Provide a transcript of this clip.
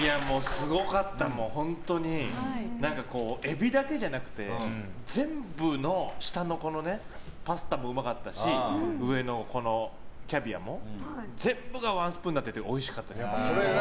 すごかった、本当にエビだけじゃなくて全部の下のパスタもうまかったし上のキャビアも全部がワンスプーンになってておいしかったですね。